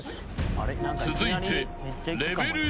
［続いて］